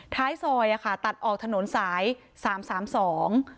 ท้ายซอยอ่ะค่ะตัดออกถนนสายสามสามสอง